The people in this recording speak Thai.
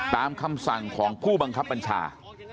ตามคำสั่งของผู้บังคับบัญชา